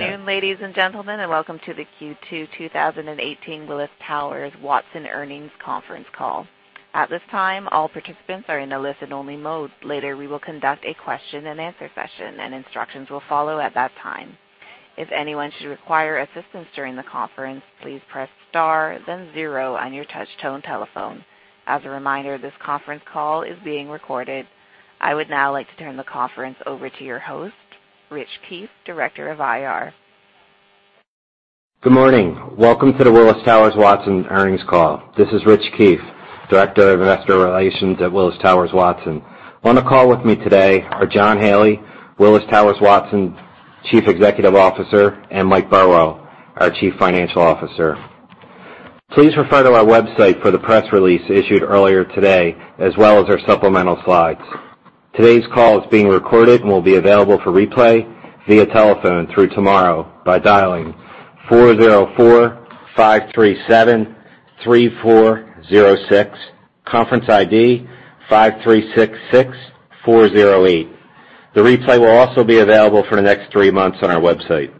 Good afternoon, ladies and gentlemen, and welcome to the Q2 2018 Willis Towers Watson Earnings Conference Call. At this time, all participants are in a listen-only mode. Later, we will conduct a question-and-answer session, and instructions will follow at that time. If anyone should require assistance during the conference, please press star then zero on your touchtone telephone. As a reminder, this conference call is being recorded. I would now like to turn the conference over to your host, Rich Keefe, Director of IR. Good morning. Welcome to the Willis Towers Watson earnings call. This is Rich Keefe, Director of Investor Relations at Willis Towers Watson. On the call with me today are John Haley, Willis Towers Watson Chief Executive Officer, and Mike Burwell, our Chief Financial Officer. Please refer to our website for the press release issued earlier today, as well as our supplemental slides. Today's call is being recorded and will be available for replay via telephone through tomorrow by dialing 404-537-3406. Conference ID 5366408. The replay will also be available for the next three months on our website.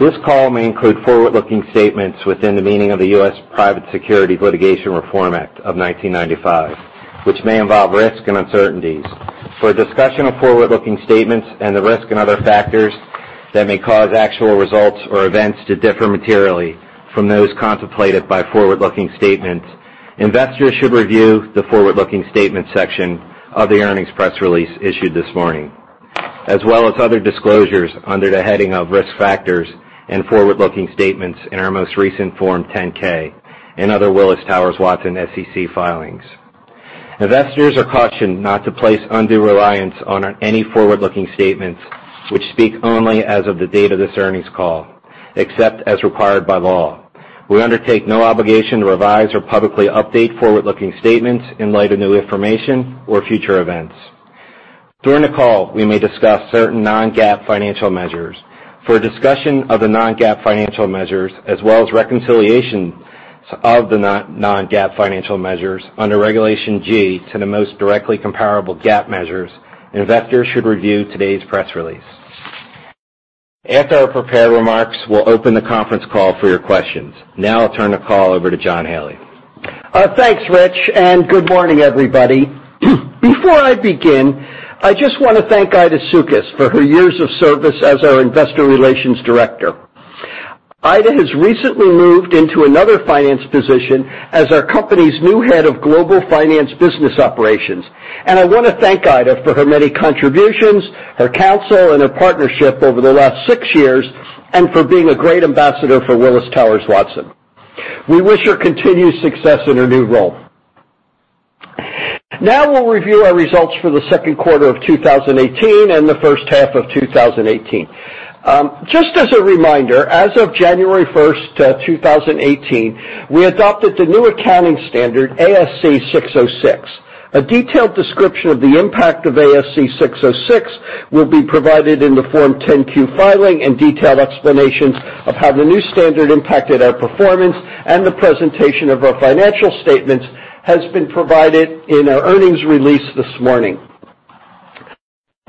This call may include forward-looking statements within the meaning of the U.S. Private Securities Litigation Reform Act of 1995, which may involve risks and uncertainties. For a discussion of forward-looking statements and the risk and other factors that may cause actual results or events to differ materially from those contemplated by forward-looking statements, investors should review the forward-looking statements section of the earnings press release issued this morning, as well as other disclosures under the heading of Risk Factors and Forward-Looking Statements in our most recent Form 10-K and other Willis Towers Watson SEC filings. Investors are cautioned not to place undue reliance on any forward-looking statements which speak only as of the date of this earnings call, except as required by law. We undertake no obligation to revise or publicly update forward-looking statements in light of new information or future events. During the call, we may discuss certain non-GAAP financial measures. For a discussion of the non-GAAP financial measures, as well as reconciliations of the non-GAAP financial measures under Regulation G to the most directly comparable GAAP measures, investors should review today's press release. After our prepared remarks, we'll open the conference call for your questions. Now I'll turn the call over to John Haley. Thanks, Rich Keefe, and good morning, everybody. Before I begin, I just want to thank Aida Sukys for her years of service as our Investor Relations Director. Aida has recently moved into another finance position as our company's new Head of Global Finance Business Operations. I want to thank Aida for her many contributions, her counsel, and her partnership over the last six years, and for being a great ambassador for Willis Towers Watson. We wish her continued success in her new role. We'll review our results for the second quarter of 2018 and the first half of 2018. Just as a reminder, as of January first, 2018, we adopted the new accounting standard, ASC 606. A detailed description of the impact of ASC 606 will be provided in the Form 10-Q filing. Detailed explanations of how the new standard impacted our performance and the presentation of our financial statements has been provided in our earnings release this morning.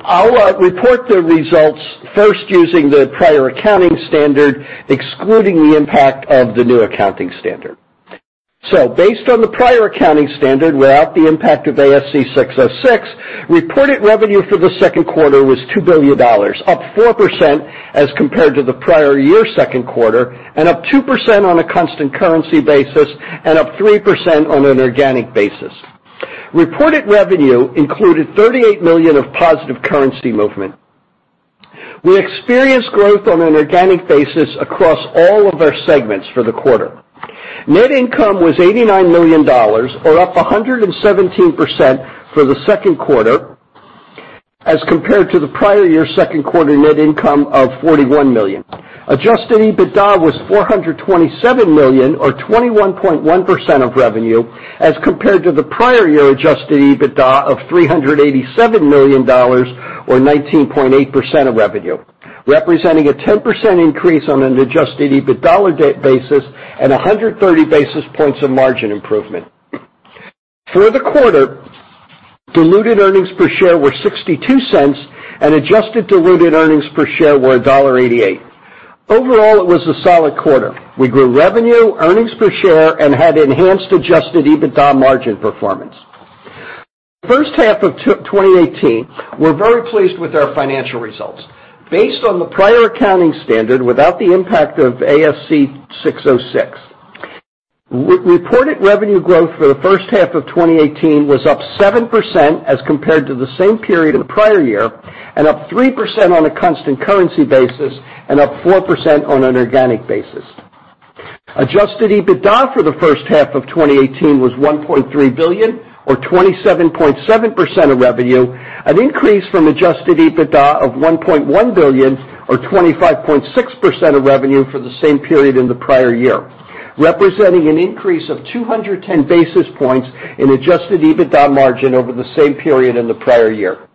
I'll report the results first using the prior accounting standard, excluding the impact of the new accounting standard. Based on the prior accounting standard, without the impact of ASC 606, reported revenue for the second quarter was $2 billion, up 4% as compared to the prior year second quarter, up 2% on a constant currency basis and up 3% on an organic basis. Reported revenue included $38 million of positive currency movement. We experienced growth on an organic basis across all of our segments for the quarter. Net income was $89 million, or up 117% for the second quarter as compared to the prior year second quarter net income of $41 million. Adjusted EBITDA was $427 million or 21.1% of revenue as compared to the prior year Adjusted EBITDA of $387 million or 19.8% of revenue, representing a 10% increase on an Adjusted EBITDA basis and 130 basis points of margin improvement. For the quarter, diluted earnings per share were $0.62 and adjusted diluted earnings per share were $1.88. Overall, it was a solid quarter. We grew revenue, earnings per share, and had enhanced Adjusted EBITDA margin performance. First half of 2018, we're very pleased with our financial results. Based on the prior accounting standard, without the impact of ASC 606, reported revenue growth for the first half of 2018 was up 7% as compared to the same period in the prior year, up 3% on a constant currency basis and up 4% on an organic basis. Adjusted EBITDA for the first half of 2018 was $1.3 billion or 27.7% of revenue, an increase from Adjusted EBITDA of $1.1 billion or 25.6% of revenue for the same period in the prior year, representing an increase of 210 basis points in Adjusted EBITDA margin over the same period in the prior year.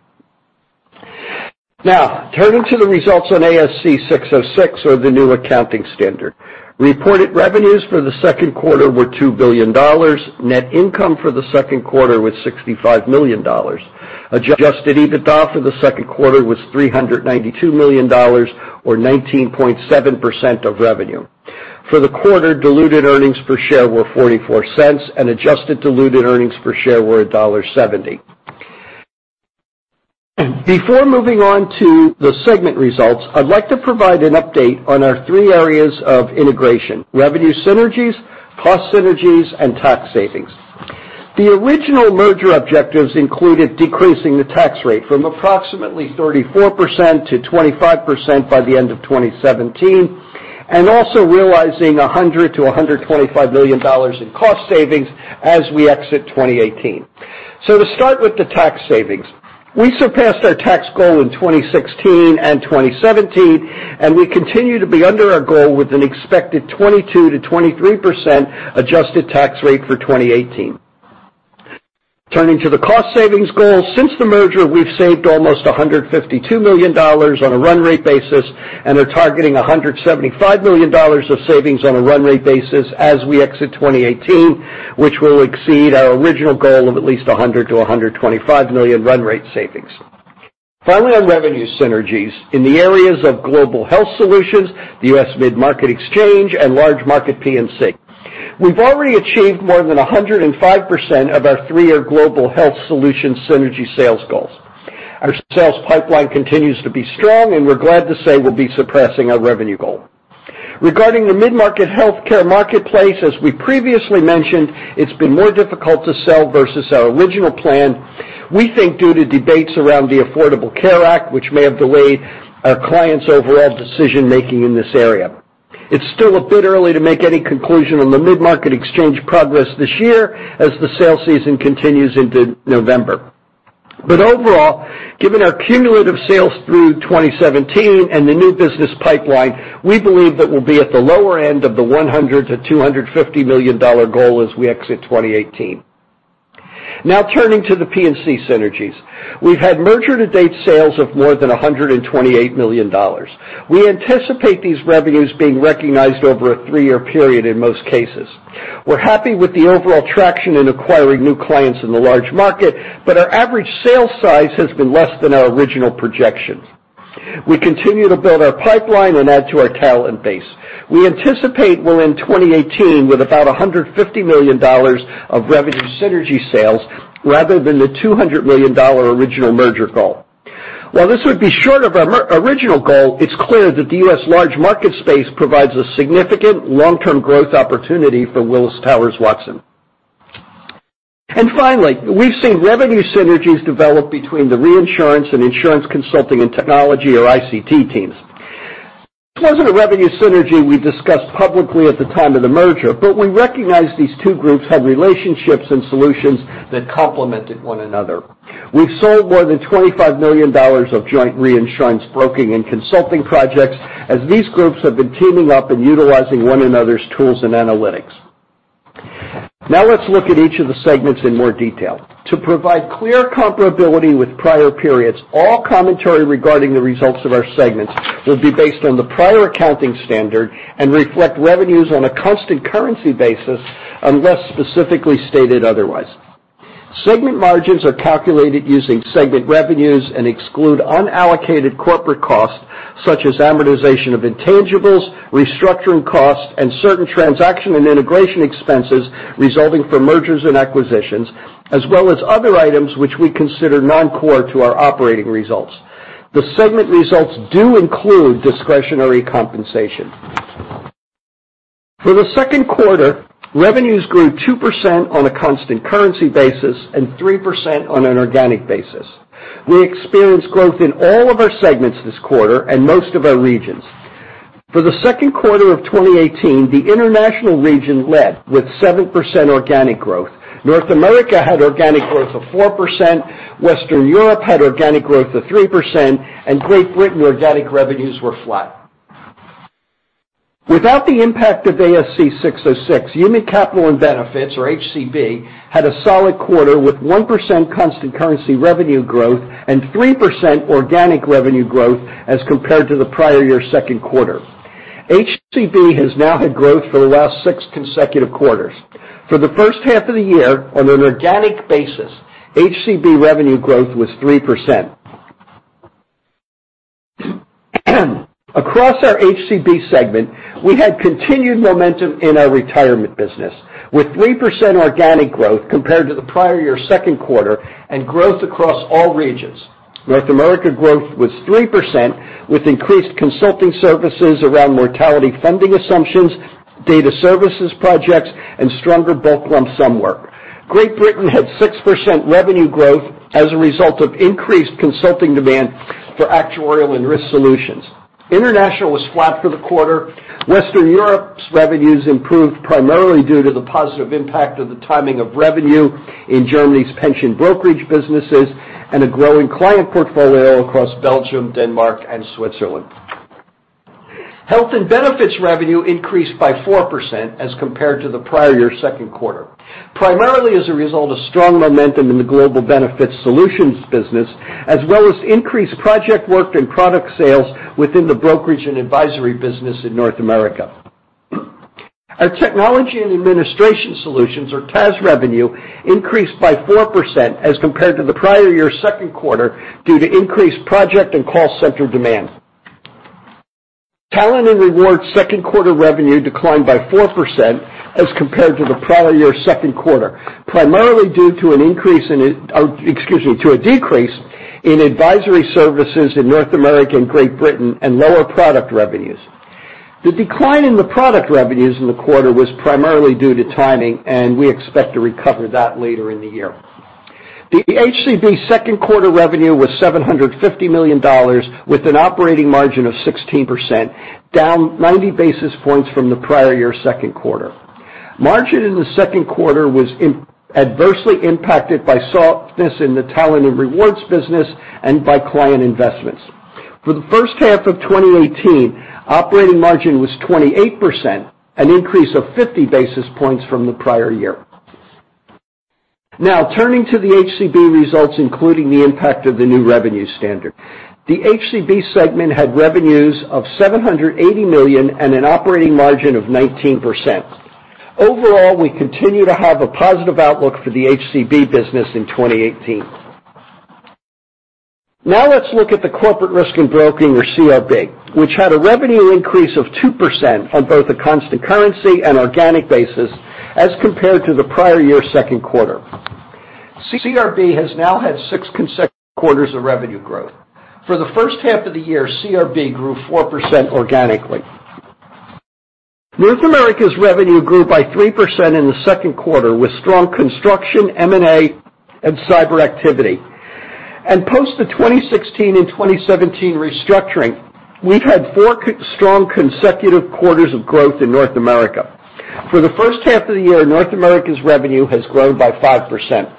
Turning to the results on ASC 606 or the new accounting standard. Reported revenues for the second quarter were $2 billion. Net income for the second quarter was $65 million. Adjusted EBITDA for the second quarter was $392 million, or 19.7% of revenue. For the quarter, diluted earnings per share were $0.44 and adjusted diluted earnings per share were $1.70. Before moving on to the segment results, I'd like to provide an update on our three areas of integration, revenue synergies, cost synergies, and tax savings. The original merger objectives included decreasing the tax rate from approximately 34% to 25% by the end of 2017, and also realizing $100 million-$125 million in cost savings as we exit 2018. Let's start with the tax savings. We surpassed our tax goal in 2016 and 2017, and we continue to be under our goal with an expected 22%-23% adjusted tax rate for 2018. Turning to the cost savings goal, since the merger, we've saved almost $152 million on a run rate basis, and are targeting $175 million of savings on a run rate basis as we exit 2018, which will exceed our original goal of at least $100 million-$125 million run rate savings. Finally, on revenue synergies, in the areas of global health solutions, the U.S. mid-market exchange, and large market P&C. We've already achieved more than 105% of our three-year global health solutions synergy sales goals. Our sales pipeline continues to be strong, and we're glad to say we'll be surpassing our revenue goal. Regarding the mid-market healthcare marketplace, as we previously mentioned, it's been more difficult to sell versus our original plan, we think due to debates around the Affordable Care Act, which may have delayed our clients' overall decision-making in this area. It's still a bit early to make any conclusion on the mid-market exchange progress this year as the sales season continues into November. Overall, given our cumulative sales through 2017 and the new business pipeline, we believe that we'll be at the lower end of the $100 million-$250 million goal as we exit 2018. Now, turning to the P&C synergies. We've had merger-to-date sales of more than $128 million. We anticipate these revenues being recognized over a three-year period in most cases. We're happy with the overall traction in acquiring new clients in the large market, but our average sales size has been less than our original projections. We continue to build our pipeline and add to our talent base. We anticipate we're in 2018 with about $150 million of revenue synergy sales rather than the $200 million original merger goal. While this would be short of our original goal, it's clear that the U.S. large market space provides a significant long-term growth opportunity for Willis Towers Watson. Finally, we've seen revenue synergies develop between the reinsurance and insurance consulting and technology, or ICT teams. It wasn't a revenue synergy we discussed publicly at the time of the merger, but we recognized these two groups had relationships and solutions that complemented one another. We've sold more than $25 million of joint reinsurance broking and consulting projects as these groups have been teaming up and utilizing one another's tools and analytics. Now let's look at each of the segments in more detail. To provide clear comparability with prior periods, all commentary regarding the results of our segments will be based on the prior accounting standard and reflect revenues on a constant currency basis unless specifically stated otherwise. Segment margins are calculated using segment revenues and exclude unallocated corporate costs such as amortization of intangibles, restructuring costs, and certain transaction and integration expenses resulting from mergers and acquisitions, as well as other items which we consider non-core to our operating results. The segment results do include discretionary compensation. For the second quarter, revenues grew 2% on a constant currency basis and 3% on an organic basis. We experienced growth in all of our segments this quarter and most of our regions. For the second quarter of 2018, the international region led with 7% organic growth. North America had organic growth of 4%, Western Europe had organic growth of 3%, and Great Britain organic revenues were flat. Without the impact of ASC 606, human capital and benefits, or HCB, had a solid quarter with 1% constant currency revenue growth and 3% organic revenue growth as compared to the prior year second quarter. HCB has now had growth for the last six consecutive quarters. For the first half of the year, on an organic basis, HCB revenue growth was 3%. Across our HCB segment, we had continued momentum in our retirement business, with 3% organic growth compared to the prior year second quarter and growth across all regions. North America growth was 3%, with increased consulting services around mortality funding assumptions, data services projects, and stronger bulk lump sum work. Great Britain had 6% revenue growth as a result of increased consulting demand for actuarial and risk solutions. International was flat for the quarter. Western Europe's revenues improved primarily due to the positive impact of the timing of revenue in Germany's pension brokerage businesses and a growing client portfolio across Belgium, Denmark, and Switzerland. Health and benefits revenue increased by 4% as compared to the prior year second quarter, primarily as a result of strong momentum in the global benefits solutions business, as well as increased project work and product sales within the brokerage and advisory business in North America. Our technology and administration solutions, or TAS revenue, increased by 4% as compared to the prior year second quarter due to increased project and call center demand. Talent and Rewards second quarter revenue declined by 4% as compared to the prior year second quarter, primarily due to a decrease in advisory services in North America and Great Britain and lower product revenues. The decline in the product revenues in the quarter was primarily due to timing. We expect to recover that later in the year. The HCB second quarter revenue was $750 million, with an operating margin of 16%, down 90 basis points from the prior year second quarter. Margin in the second quarter was adversely impacted by softness in the Talent and Rewards business and by client investments. For the first half of 2018, operating margin was 28%, an increase of 50 basis points from the prior year. Now turning to the HCB results, including the impact of the new revenue standard. The HCB segment had revenues of $780 million and an operating margin of 19%. Overall, we continue to have a positive outlook for the HCB business in 2018. Now let's look at the Corporate Risk and Broking, or CRB, which had a revenue increase of 2% on both a constant currency and organic basis as compared to the prior year second quarter. CRB has now had 6 consecutive quarters of revenue growth. For the first half of the year, CRB grew 4% organically. North America's revenue grew by 3% in the second quarter with strong construction, M&A, and cyber activity. Post the 2016 and 2017 restructuring, we've had 4 strong consecutive quarters of growth in North America. For the first half of the year, North America's revenue has grown by 5%.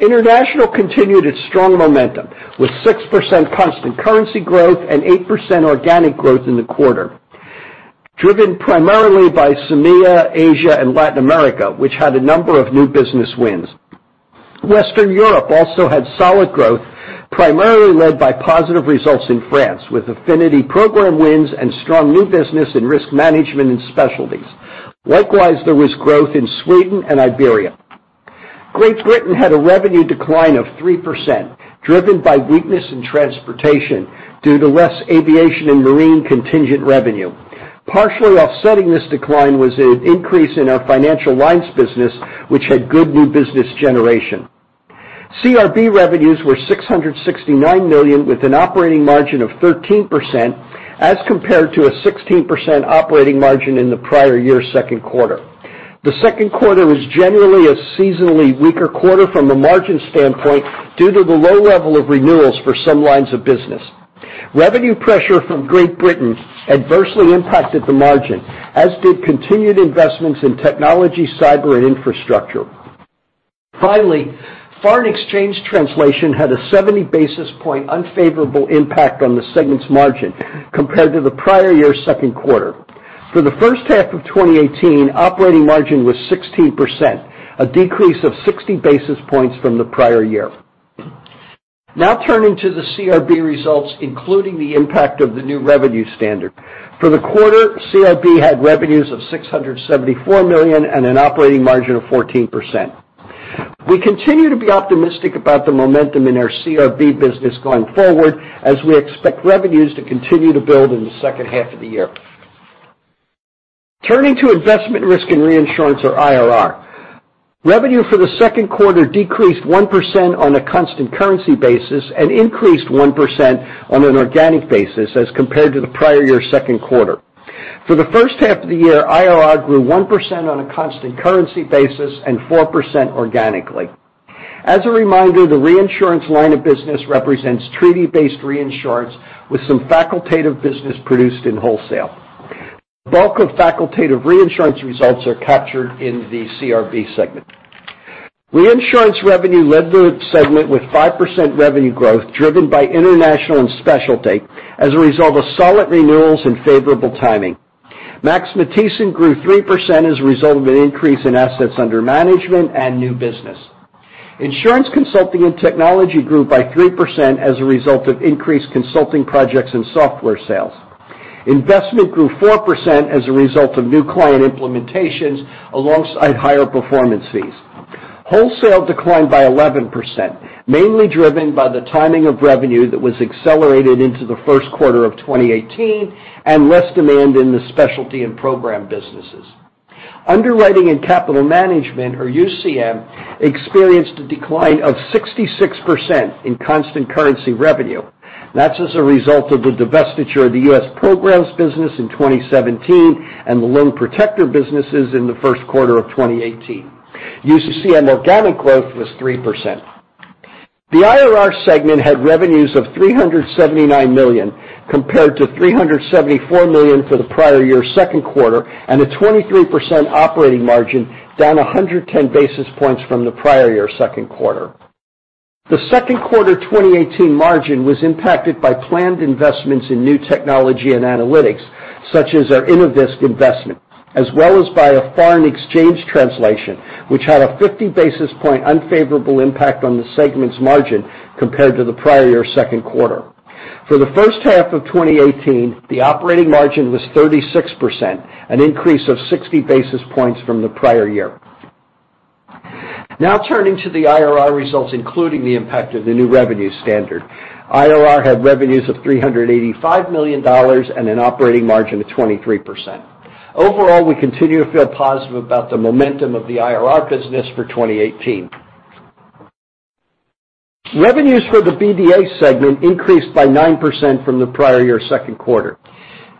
International continued its strong momentum, with 6% constant currency growth and 8% organic growth in the quarter, driven primarily by CEMEA, Asia, and Latin America, which had a number of new business wins. Western Europe also had solid growth, primarily led by positive results in France, with affinity program wins and strong new business in risk management and specialties. Likewise, there was growth in Sweden and Iberia. Great Britain had a revenue decline of 3%, driven by weakness in transportation due to less aviation and marine contingent revenue. Partially offsetting this decline was an increase in our financial lines business, which had good new business generation. CRB revenues were $669 million with an operating margin of 13%, as compared to a 16% operating margin in the prior year second quarter. The second quarter was generally a seasonally weaker quarter from a margin standpoint due to the low level of renewals for some lines of business. Revenue pressure from Great Britain adversely impacted the margin, as did continued investments in technology, cyber, and infrastructure. Finally, foreign exchange translation had a 70 basis point unfavorable impact on the segment's margin compared to the prior year second quarter. For the first half of 2018, operating margin was 16%, a decrease of 60 basis points from the prior year. Now turning to the CRB results, including the impact of the new revenue standard. For the quarter, CRB had revenues of $674 million and an operating margin of 14%. We continue to be optimistic about the momentum in our CRB business going forward, as we expect revenues to continue to build in the second half of the year. Turning to Investment, Risk and Reinsurance, or IRR. Revenue for the second quarter decreased 1% on a constant currency basis and increased 1% on an organic basis as compared to the prior year second quarter. For the first half of the year, IRR grew 1% on a constant currency basis and 4% organically. As a reminder, the reinsurance line of business represents treaty-based reinsurance with some facultative business produced in wholesale. The bulk of facultative reinsurance results are captured in the CRB segment. Reinsurance revenue led the segment with 5% revenue growth, driven by international and specialty as a result of solid renewals and favorable timing. Max Matthiessen grew 3% as a result of an increase in assets under management and new business. Insurance consulting and technology grew by 3% as a result of increased consulting projects and software sales. Investment grew 4% as a result of new client implementations alongside higher performance fees. Wholesale declined by 11%, mainly driven by the timing of revenue that was accelerated into the first quarter of 2018 and less demand in the specialty and program businesses. Underwriting and capital management, or UCM, experienced a decline of 66% in constant currency revenue. That's as a result of the divestiture of the U.S. programs business in 2017 and the Loan Protector businesses in the first quarter of 2018. UCM organic growth was 3%. The IRR segment had revenues of $379 million, compared to $374 million for the prior year second quarter, and a 23% operating margin, down 110 basis points from the prior year second quarter. The second quarter 2018 margin was impacted by planned investments in new technology and analytics, such as our Innovis investment, as well as by a foreign exchange translation, which had a 50 basis point unfavorable impact on the segment's margin compared to the prior year second quarter. For the first half of 2018, the operating margin was 36%, an increase of 60 basis points from the prior year. Now turning to the IRR results, including the impact of the new revenue standard. IRR had revenues of $385 million and an operating margin of 23%. Overall, we continue to feel positive about the momentum of the IRR business for 2018. Revenues for the BDA segment increased by 9% from the prior year second quarter.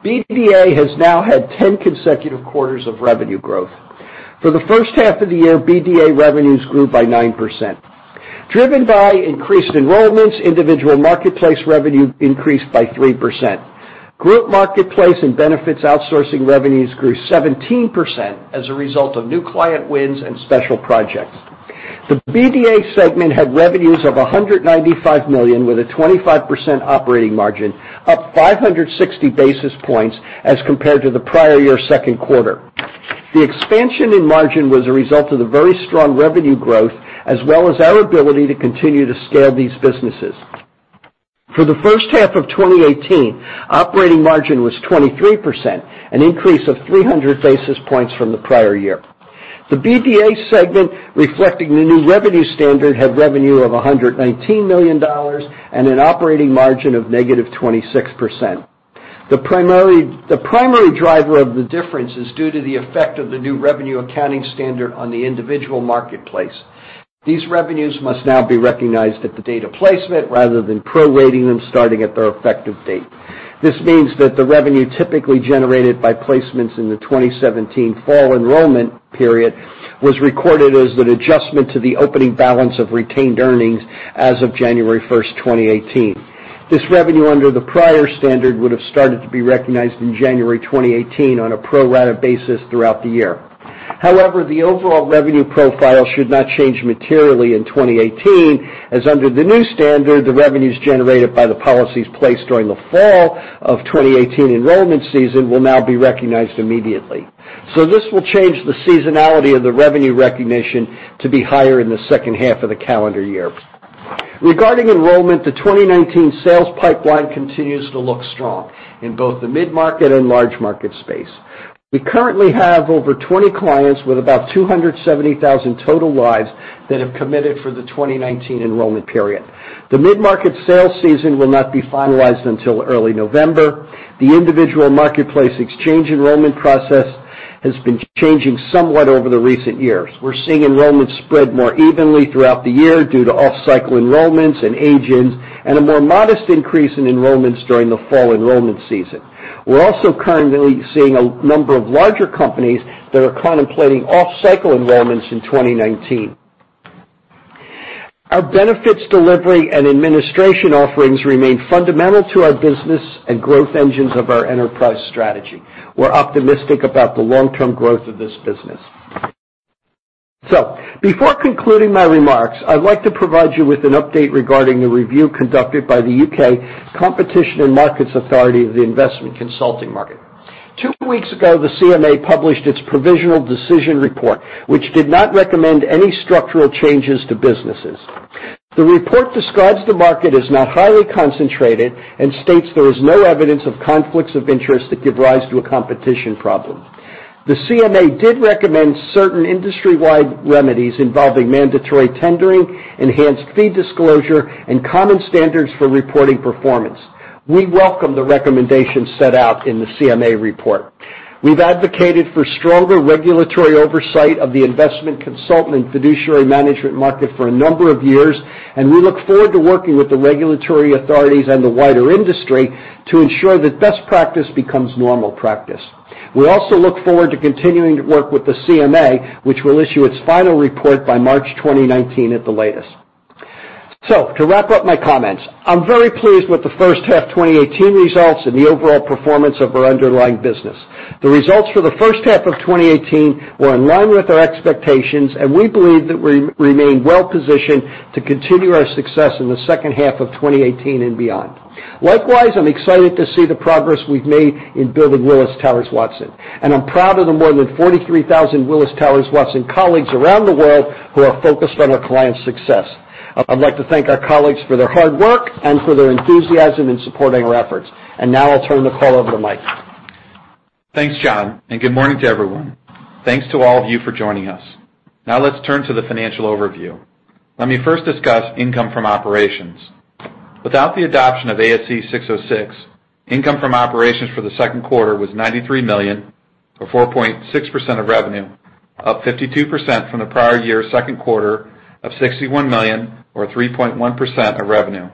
BDA has now had 10 consecutive quarters of revenue growth. For the first half of the year, BDA revenues grew by 9%. Driven by increased enrollments, individual marketplace revenue increased by 3%. Group marketplace and benefits outsourcing revenues grew 17% as a result of new client wins and special projects. The BDA segment had revenues of $195 million, with a 25% operating margin, up 560 basis points as compared to the prior year second quarter. The expansion in margin was a result of the very strong revenue growth, as well as our ability to continue to scale these businesses. For the first half of 2018, operating margin was 23%, an increase of 300 basis points from the prior year. The BDA segment, reflecting the new revenue standard, had revenue of $119 million and an operating margin of negative 26%. The primary driver of the difference is due to the effect of the new revenue accounting standard on the individual marketplace. These revenues must now be recognized at the date of placement rather than prorating them starting at their effective date. This means that the revenue typically generated by placements in the 2017 fall enrollment period was recorded as an adjustment to the opening balance of retained earnings as of January 1st, 2018. This revenue under the prior standard would have started to be recognized in January 2018 on a pro-rata basis throughout the year. However, the overall revenue profile should not change materially in 2018, as under the new standard, the revenues generated by the policies placed during the fall of 2018 enrollment season will now be recognized immediately. This will change the seasonality of the revenue recognition to be higher in the second half of the calendar year. Regarding enrollment, the 2019 sales pipeline continues to look strong in both the mid-market and large market space. We currently have over 20 clients with about 270,000 total lives that have committed for the 2019 enrollment period. The mid-market sales season will not be finalized until early November. The individual marketplace exchange enrollment process has been changing somewhat over the recent years. We're seeing enrollments spread more evenly throughout the year due to off-cycle enrollments and age-ins, and a more modest increase in enrollments during the fall enrollment season. We're also currently seeing a number of larger companies that are contemplating off-cycle enrollments in 2019. Our benefits delivery and administration offerings remain fundamental to our business and growth engines of our enterprise strategy. We're optimistic about the long-term growth of this business. Before concluding my remarks, I'd like to provide you with an update regarding the review conducted by the UK Competition and Markets Authority of the investment consulting market. Two weeks ago, the CMA published its provisional decision report, which did not recommend any structural changes to businesses. The report describes the market as not highly concentrated and states there is no evidence of conflicts of interest that give rise to a competition problem. The CMA did recommend certain industry-wide remedies involving mandatory tendering, enhanced fee disclosure, and common standards for reporting performance. We welcome the recommendations set out in the CMA report. We've advocated for stronger regulatory oversight of the investment consultant and fiduciary management market for a number of years, and we look forward to working with the regulatory authorities and the wider industry to ensure that best practice becomes normal practice. We also look forward to continuing to work with the CMA, which will issue its final report by March 2019 at the latest. To wrap up my comments, I'm very pleased with the first half 2018 results and the overall performance of our underlying business. The results for the first half of 2018 were in line with our expectations, and we believe that we remain well positioned to continue our success in the second half of 2018 and beyond. Likewise, I'm excited to see the progress we've made in building Willis Towers Watson, and I'm proud of the more than 43,000 Willis Towers Watson colleagues around the world who are focused on our clients' success. I'd like to thank our colleagues for their hard work and for their enthusiasm in supporting our efforts. Now I'll turn the call over to Mike. Thanks, John, and good morning to everyone. Thanks to all of you for joining us. Let's turn to the financial overview. Let me first discuss income from operations. Without the adoption of ASC 606, income from operations for the second quarter was $93 million, or 4.6% of revenue, up 52% from the prior year second quarter of $61 million or 3.1% of revenue.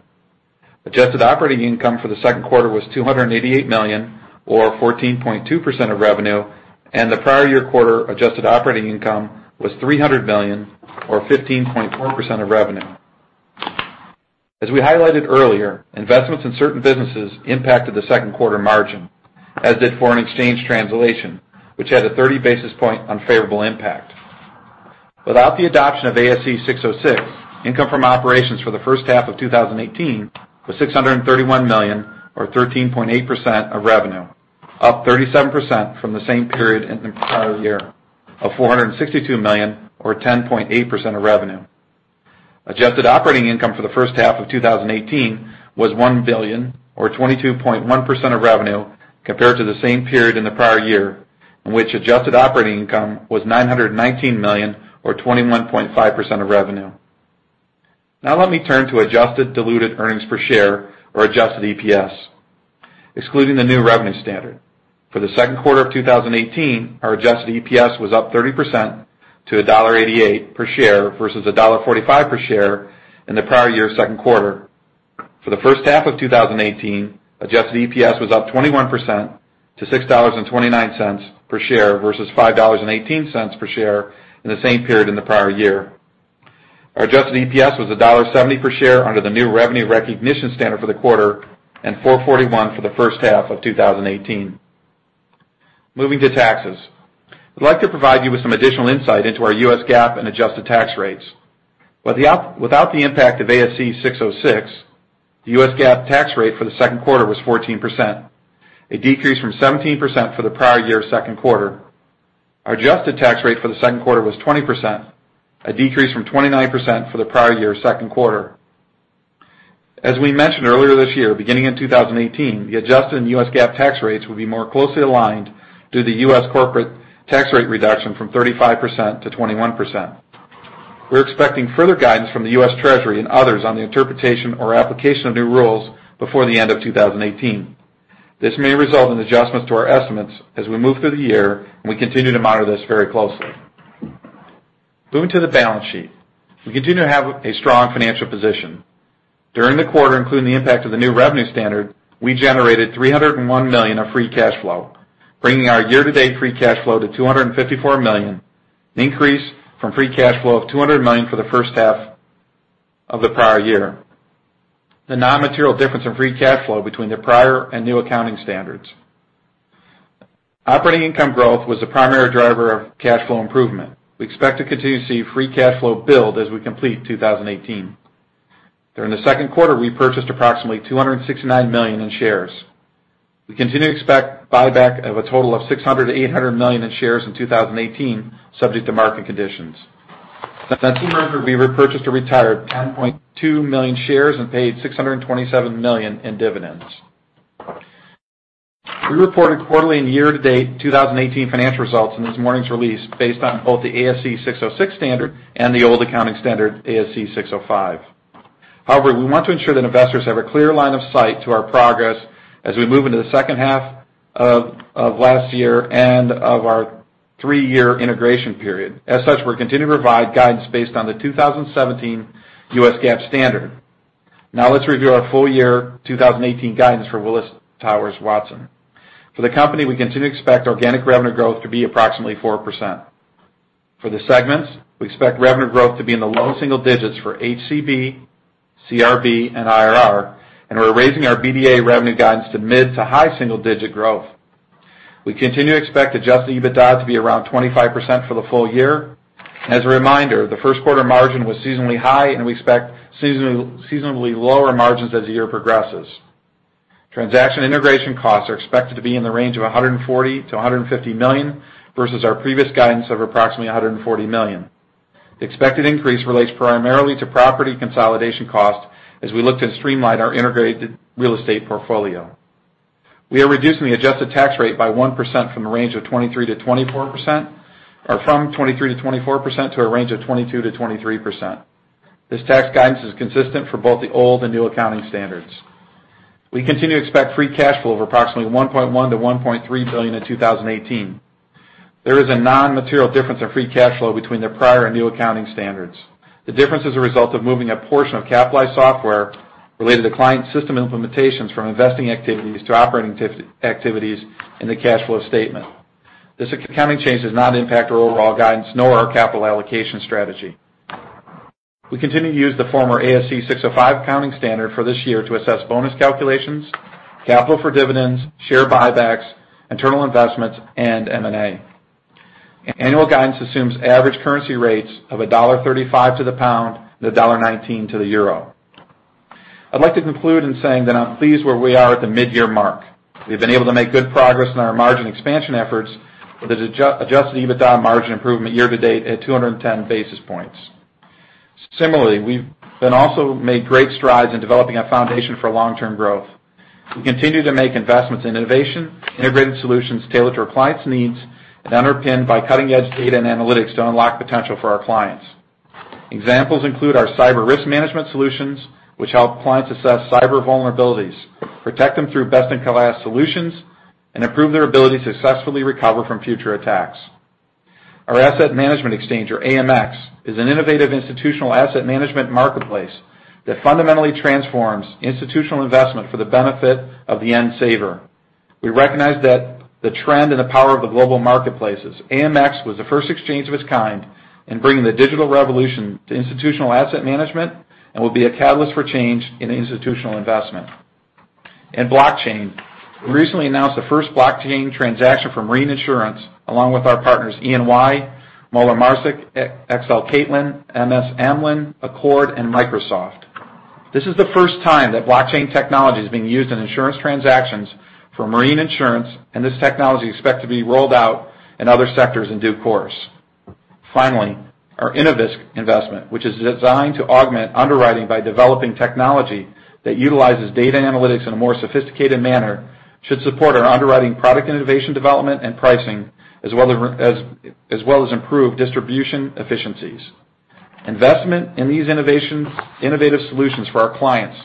Adjusted operating income for the second quarter was $288 million, or 14.2% of revenue, and the prior year quarter adjusted operating income was $300 million, or 15.4% of revenue. As we highlighted earlier, investments in certain businesses impacted the second quarter margin, as did foreign exchange translation, which had a 30-basis point unfavorable impact. Without the adoption of ASC 606, income from operations for the first half of 2018 was $631 million, or 13.8% of revenue. Up 37% from the same period in the prior year of $462 million, or 10.8% of revenue. Adjusted operating income for the first half of 2018 was $1 billion, or 22.1% of revenue, compared to the same period in the prior year, in which adjusted operating income was $919 million, or 21.5% of revenue. Let me turn to adjusted diluted earnings per share, or adjusted EPS. Excluding the new revenue standard, for the second quarter of 2018, our adjusted EPS was up 30% to $1.88 per share, versus $1.45 per share in the prior year second quarter. For the first half of 2018, adjusted EPS was up 21% to $6.29 per share, versus $5.18 per share in the same period in the prior year. Our adjusted EPS was $1.70 per share under the new revenue recognition standard for the quarter, and $4.41 for the first half of 2018. Moving to taxes. I'd like to provide you with some additional insight into our U.S. GAAP and adjusted tax rates. Without the impact of ASC 606, the U.S. GAAP tax rate for the second quarter was 14%, a decrease from 17% for the prior year second quarter. Our adjusted tax rate for the second quarter was 20%, a decrease from 29% for the prior year second quarter. As we mentioned earlier this year, beginning in 2018, the adjusted and U.S. GAAP tax rates will be more closely aligned due to the U.S. corporate tax rate reduction from 35% to 21%. We're expecting further guidance from the U.S. Treasury and others on the interpretation or application of new rules before the end of 2018. This may result in adjustments to our estimates as we move through the year. We continue to monitor this very closely. Moving to the balance sheet. We continue to have a strong financial position. During the quarter, including the impact of the new revenue standard, we generated $301 million of free cash flow, bringing our year-to-date free cash flow to $254 million, an increase from free cash flow of $200 million for the first half of the prior year. A non-material difference in free cash flow between the prior and new accounting standards. Operating income growth was the primary driver of cash flow improvement. We expect to continue to see free cash flow build as we complete 2018. During the second quarter, we purchased approximately $269 million in shares. We continue to expect buyback of a total of $600 million-$800 million in shares in 2018, subject to market conditions. As a team member, we repurchased or retired 10.2 million shares and paid $627 million in dividends. We reported quarterly and year-to-date 2018 financial results in this morning's release based on both the ASC 606 standard and the old accounting standard, ASC 605. We want to ensure that investors have a clear line of sight to our progress as we move into the second half of last year and of our three-year integration period. As such, we'll continue to provide guidance based on the 2017 U.S. GAAP standard. Let's review our full year 2018 guidance for Willis Towers Watson. For the company, we continue to expect organic revenue growth to be approximately 4%. For the segments, we expect revenue growth to be in the low single digits for HCB, CRB, and IRR. We're raising our BDA revenue guidance to mid to high single digit growth. We continue to expect adjusted EBITDA to be around 25% for the full year. As a reminder, the first quarter margin was seasonally high, and we expect seasonally lower margins as the year progresses. Transaction integration costs are expected to be in the range of $140 million-$150 million, versus our previous guidance of approximately $140 million. The expected increase relates primarily to property consolidation cost as we look to streamline our integrated real estate portfolio. We are reducing the adjusted tax rate by 1% from the range of 23%-24% to a range of 22%-23%. This tax guidance is consistent for both the old and new accounting standards. We continue to expect free cash flow of approximately $1.1 billion-$1.3 billion in 2018. There is a non-material difference in free cash flow between the prior and new accounting standards. The difference is a result of moving a portion of capitalized software related to client system implementations from investing activities to operating activities in the cash flow statement. This accounting change does not impact our overall guidance nor our capital allocation strategy. We continue to use the former ASC 605 accounting standard for this year to assess bonus calculations, capital for dividends, share buybacks, internal investments, and M&A. Annual guidance assumes average currency rates of $1.35 to the pound and $1.19 to the euro. I'd like to conclude in saying that I'm pleased where we are at the midyear mark. We've been able to make good progress in our margin expansion efforts with adjusted EBITDA margin improvement year to date at 210 basis points. Similarly, we've also made great strides in developing a foundation for long-term growth. We continue to make investments in innovation, integrated solutions tailored to our clients' needs, and underpinned by cutting-edge data and analytics to unlock potential for our clients. Examples include our cyber risk management solutions, which help clients assess cyber vulnerabilities, protect them through best-in-class solutions, and improve their ability to successfully recover from future attacks. Our Asset Management Exchange, or AMX, is an innovative institutional asset management marketplace that fundamentally transforms institutional investment for the benefit of the end saver. We recognize the trend and the power of the global marketplaces. AMX was the first exchange of its kind in bringing the digital revolution to institutional asset management and will be a catalyst for change in institutional investment. In blockchain, we recently announced the first blockchain transaction for marine insurance, along with our partners EY, Miller, XL Catlin, MS Amlin, ACORD, and Microsoft. This is the first time that blockchain technology is being used in insurance transactions for marine insurance, and this technology is expected to be rolled out in other sectors in due course. Finally, our Innovis investment, which is designed to augment underwriting by developing technology that utilizes data analytics in a more sophisticated manner, should support our underwriting product innovation development and pricing, as well as improve distribution efficiencies. Investment in these innovative solutions for our clients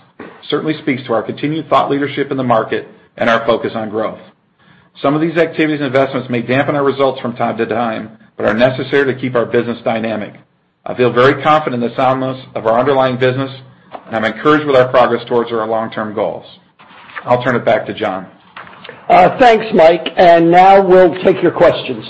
certainly speaks to our continued thought leadership in the market and our focus on growth. Some of these activities and investments may dampen our results from time to time, but are necessary to keep our business dynamic. I feel very confident in the soundness of our underlying business, and I'm encouraged with our progress towards our long-term goals. I'll turn it back to John. Thanks, Mike. Now we'll take your questions.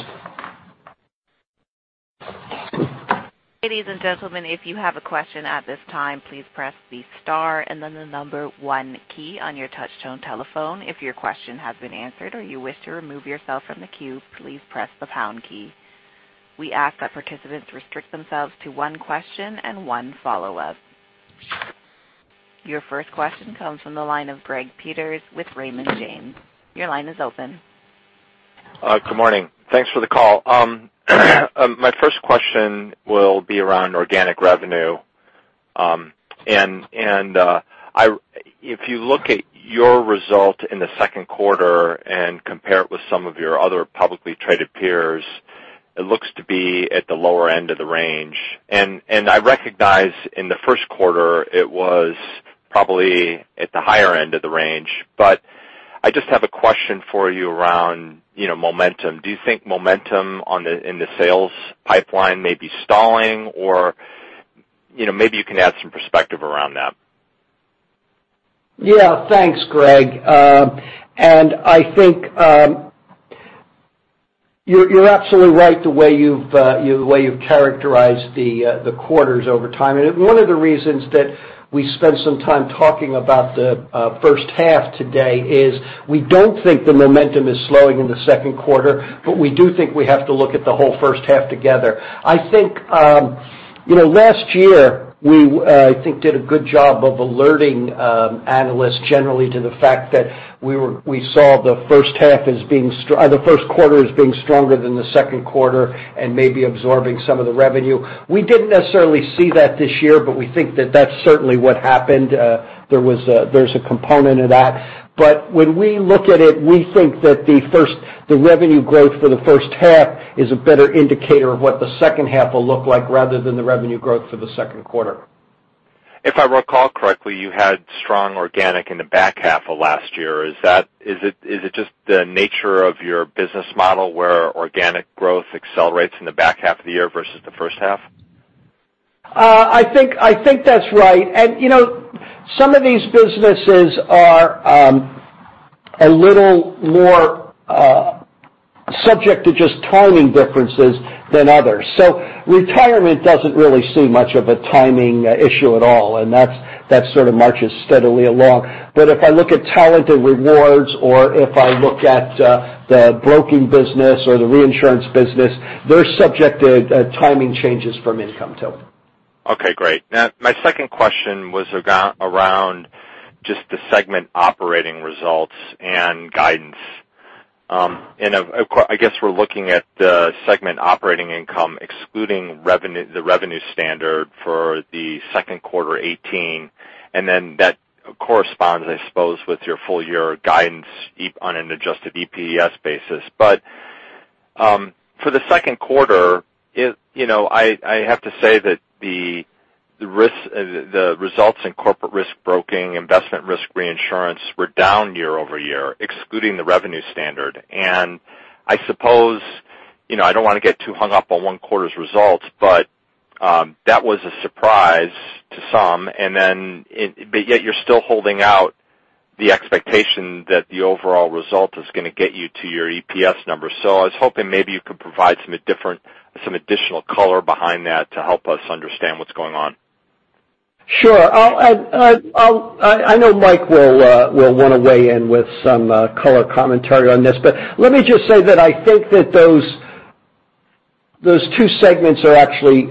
Ladies and gentlemen, if you have a question at this time, please press the star and then the number one key on your touchtone telephone. If your question has been answered or you wish to remove yourself from the queue, please press the pound key. We ask that participants restrict themselves to one question and one follow-up. Your first question comes from the line of Gregory Peters with Raymond James. Your line is open. Good morning. Thanks for the call. My first question will be around organic revenue. If you look at your result in the second quarter and compare it with some of your other publicly traded peers, it looks to be at the lower end of the range. I recognize in the first quarter, it was probably at the higher end of the range, I just have a question for you around momentum. Do you think momentum in the sales pipeline may be stalling, or maybe you can add some perspective around that? Yeah. Thanks, Greg. I think you're absolutely right the way you've characterized the quarters over time. One of the reasons that we spent some time talking about the first half today is we don't think the momentum is slowing in the second quarter, we do think we have to look at the whole first half together. Last year, we did a good job of alerting analysts generally to the fact that we saw the first quarter as being stronger than the second quarter and maybe absorbing some of the revenue. We didn't necessarily see that this year, we think that that's certainly what happened. There's a component of that. When we look at it, we think that the revenue growth for the first half is a better indicator of what the second half will look like rather than the revenue growth for the second quarter. If I recall correctly, you had strong organic in the back half of last year. Is it just the nature of your business model where organic growth accelerates in the back half of the year versus the first half? I think that's right. Some of these businesses are a little more subject to just timing differences than others. Retirement doesn't really see much of a timing issue at all, and that sort of marches steadily along. If I look at Talent and Rewards or if I look at the broking business or the reinsurance business, they're subject to timing changes from income too. Okay, great. My second question was around just the segment operating results and guidance. I guess we're looking at the segment operating income, excluding the revenue standard for the second quarter 2018, and then that corresponds, I suppose, with your full-year guidance on an adjusted EPS basis. For the second quarter, I have to say that the results in Corporate Risk and Broking, Investment, Risk and Reinsurance were down year-over-year, excluding the revenue standard. I suppose, I don't want to get too hung up on one quarter's results, but that was a surprise to some. Yet you're still holding out the expectation that the overall result is going to get you to your EPS number. I was hoping maybe you could provide some additional color behind that to help us understand what's going on. Sure. I know Mike will want to weigh in with some color commentary on this. Let me just say that I think that those two segments are actually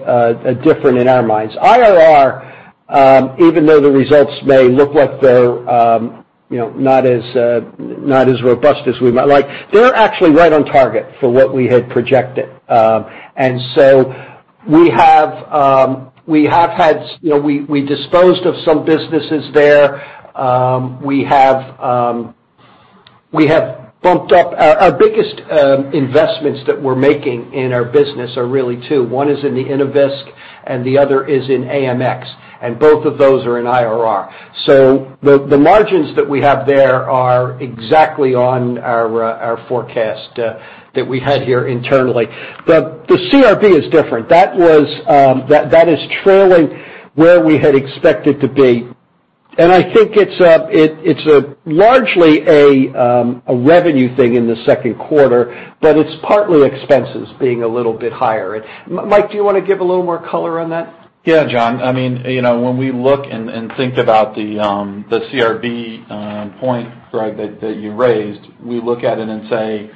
different in our minds. IRR, even though the results may look like they're not as robust as we might like, they're actually right on target for what we had projected. We disposed of some businesses there. Our biggest investments that we're making in our business are really two. One is in the Innovis and the other is in AMX, and both of those are in IRR. The margins that we have there are exactly on our forecast that we had here internally. The CRB is different. That is trailing where we had expected to be. I think it's largely a revenue thing in the second quarter, but it's partly expenses being a little bit higher. Mike, do you want to give a little more color on that? Yeah, John. When we look and think about the CRB point, Greg, that you raised, we look at it and say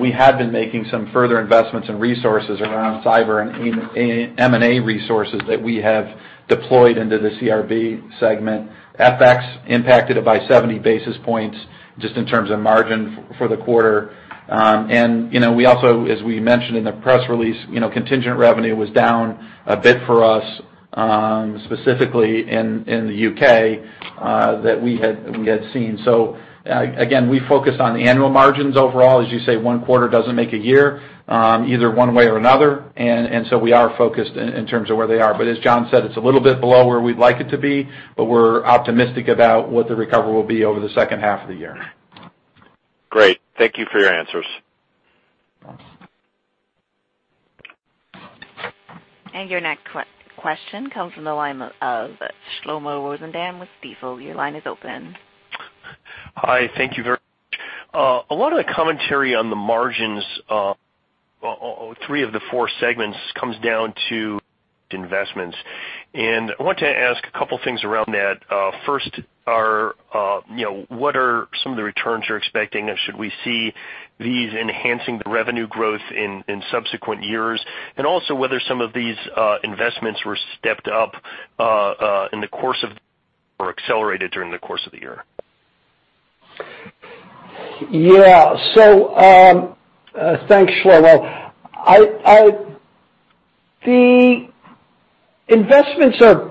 We had been making some further investments in resources around cyber and M&A resources that we have deployed into the CRB segment. FX impacted it by 70 basis points just in terms of margin for the quarter. We also, as we mentioned in the press release, contingent revenue was down a bit for us, specifically in the U.K., that we had seen. Again, we focus on the annual margins overall. As you say, one quarter doesn't make a year, either one way or another. We are focused in terms of where they are. As John said, it's a little bit below where we'd like it to be, but we're optimistic about what the recovery will be over the second half of the year. Great. Thank you for your answers. Your next question comes from the line of Shlomo Rosenbaum with Stifel. Your line is open. Hi. Thank you very much. A lot of the commentary on the margins, three of the four segments comes down to investments. I want to ask a couple things around that. First, what are some of the returns you're expecting, and should we see these enhancing the revenue growth in subsequent years? Also whether some of these investments were stepped up or accelerated during the course of the year. Yeah. Thanks, Shlomo. The investments are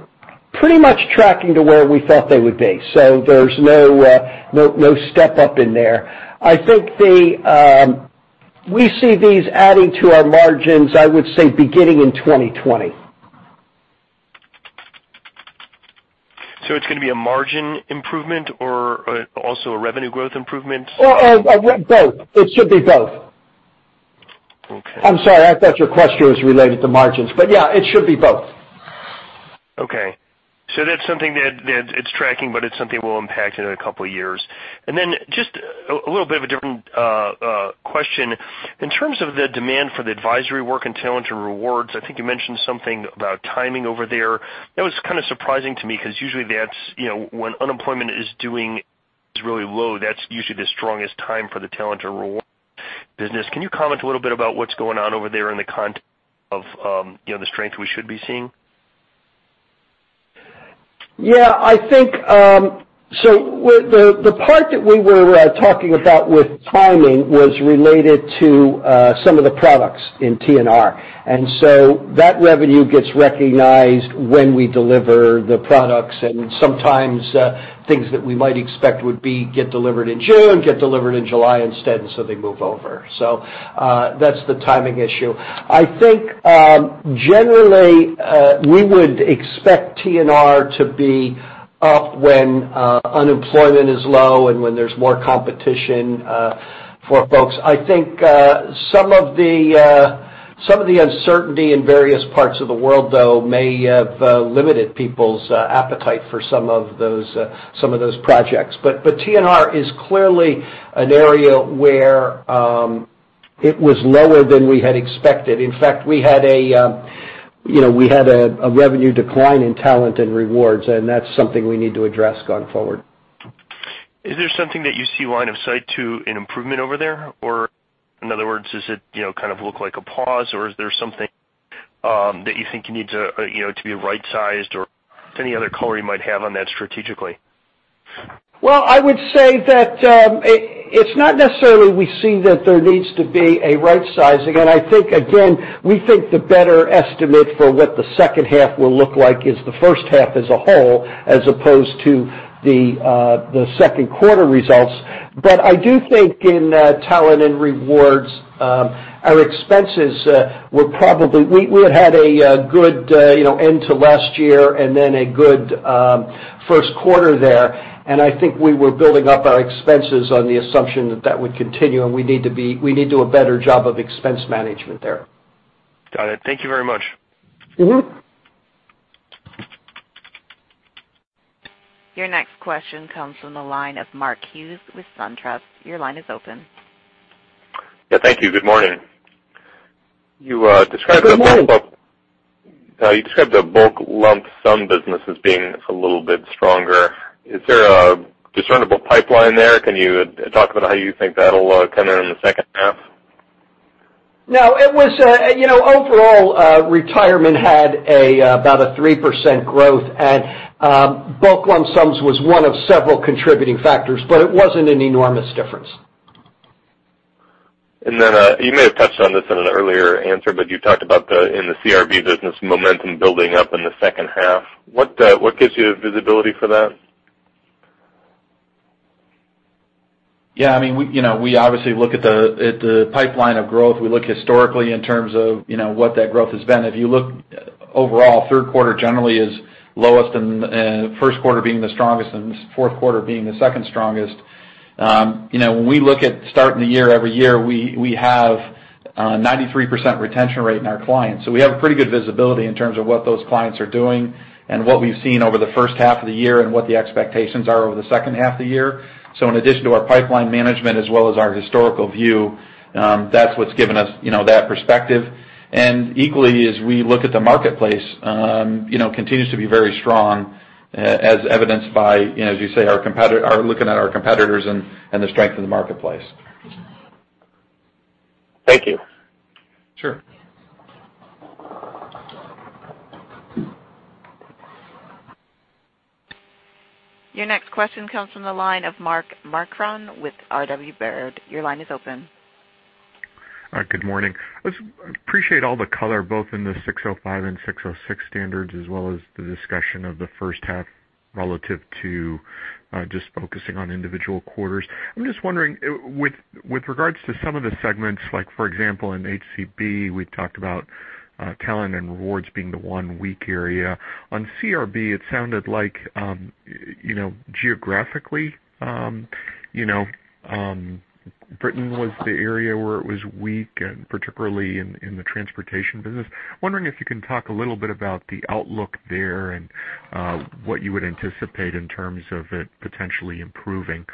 pretty much tracking to where we thought they would be, so there's no step up in there. I think we see these adding to our margins, I would say, beginning in 2020. It's going to be a margin improvement or also a revenue growth improvement? Oh, both. It should be both. Okay. I'm sorry. I thought your question was related to margins. Yeah, it should be both. Okay. That's something that it's tracking, but it's something that will impact in a couple of years. Just a little bit of a different question. In terms of the demand for the advisory work in Talent and Rewards, I think you mentioned something about timing over there. That was kind of surprising to me because usually when unemployment is really low, that's usually the strongest time for the Talent and Rewards business. Can you comment a little bit about what's going on over there in the context of the strength we should be seeing? Yeah. The part that we were talking about with timing was related to some of the products in T&R. That revenue gets recognized when we deliver the products, and sometimes, things that we might expect would get delivered in June, get delivered in July instead, they move over. That's the timing issue. I think, generally, we would expect T&R to be up when unemployment is low and when there's more competition for folks. I think some of the uncertainty in various parts of the world, though, may have limited people's appetite for some of those projects. T&R is clearly an area where it was lower than we had expected. In fact, we had a revenue decline in Talent and Rewards, and that's something we need to address going forward. Is there something that you see line of sight to an improvement over there? In other words, does it kind of look like a pause, or is there something that you think needs to be right-sized or if any other color you might have on that strategically? I would say that it's not necessarily we see that there needs to be a right-sizing. I think, again, we think the better estimate for what the second half will look like is the first half as a whole, as opposed to the second quarter results. I do think in Talent and Rewards, our expenses were We had a good end to last year and then a good first quarter there, and I think we were building up our expenses on the assumption that that would continue, and we need to do a better job of expense management there. Got it. Thank you very much. Your next question comes from the line of Mark Hughes with SunTrust. Your line is open. Yeah. Thank you. Good morning. Good morning. You described the bulk lump sum business as being a little bit stronger. Is there a discernible pipeline there? Can you talk about how you think that'll come in in the second half? Overall, retirement had about a 3% growth, and bulk lump sums was one of several contributing factors, but it wasn't an enormous difference. You may have touched on this in an earlier answer, but you talked about in the CRB business momentum building up in the second half. What gives you visibility for that? Yeah. We obviously look at the pipeline of growth. We look historically in terms of what that growth has been. If you look overall, third quarter generally is lowest, and first quarter being the strongest, and fourth quarter being the second strongest. When we look at starting the year every year, we have a 93% retention rate in our clients. We have pretty good visibility in terms of what those clients are doing and what we've seen over the first half of the year and what the expectations are over the second half of the year. In addition to our pipeline management, as well as our historical view, that's what's given us that perspective. Equally, as we look at the marketplace, continues to be very strong, as evidenced by, as you say, looking at our competitors and the strength of the marketplace. Thank you. Sure. Your next question comes from the line of Mark Marcon with RW Baird. Your line is open. Good morning. I appreciate all the color, both in the 605 and 606 standards, as well as the discussion of the first half relative to just focusing on individual quarters. I'm just wondering, with regards to some of the segments, like for example, in HCB, we've talked about Talent and Rewards being the one weak area. On CRB, it sounded like, geographically, Britain was the area where it was weak, and particularly in the transportation business. Wondering if you can talk a little bit about the outlook there and what you would anticipate in terms of it potentially improving.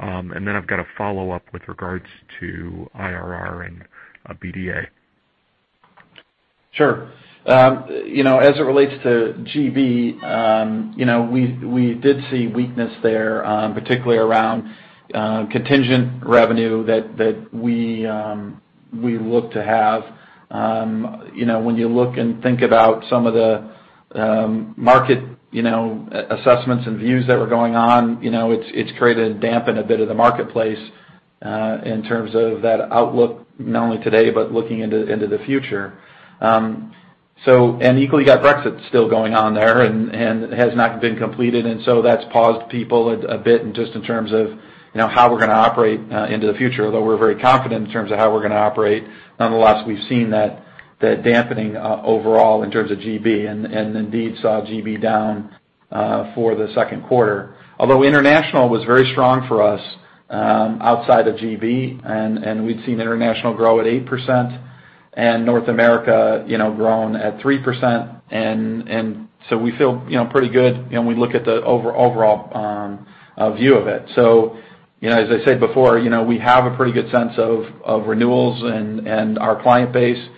Then I've got a follow-up with regards to IRR and BDA. Sure. As it relates to GB, we did see weakness there, particularly around contingent revenue that we look to have. When you look and think about some of the market assessments and views that were going on, it's created a dampen a bit of the marketplace in terms of that outlook, not only today but looking into the future. Equally, you got Brexit still going on there and has not been completed, and so that's paused people a bit just in terms of how we're going to operate into the future, although we're very confident in terms of how we're going to operate. Nonetheless, we've seen that dampening overall in terms of GB, and indeed saw GB down for the second quarter. Although international was very strong for us outside of GB, and we'd seen international grow at 8% and North America grown at 3%. We feel pretty good when we look at the overall view of it. As I said before, we have a pretty good sense of renewals and our client base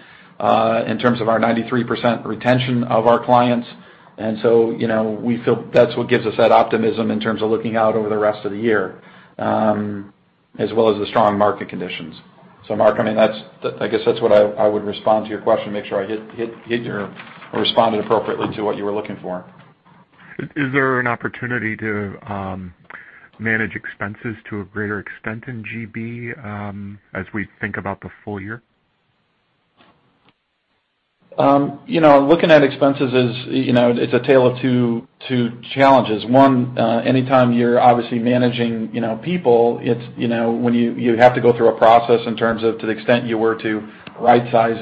in terms of our 93% retention of our clients. We feel that's what gives us that optimism in terms of looking out over the rest of the year, as well as the strong market conditions. Mark, I guess that's what I would respond to your question, make sure I hit or responded appropriately to what you were looking for. Is there an opportunity to manage expenses to a greater extent in GB as we think about the full year? Looking at expenses, it's a tale of two challenges. One, anytime you're obviously managing people, you have to go through a process in terms of, to the extent you were to right size